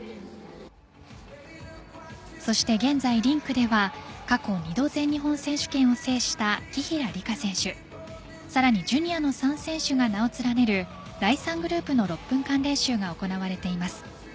そして現在、リンクでは過去２度、全日本選手権を制した紀平梨花選手さらにジュニアの３選手が名を連ねる第３グループの６分間練習が行われています。